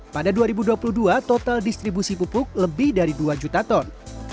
pada dua ribu dua puluh dua total distribusi pupuk lebih dari dua juta ton